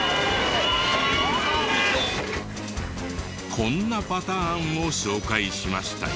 こんなパターンを紹介しましたよね。